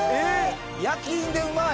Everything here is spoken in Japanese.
⁉焼き印で「うまい！」。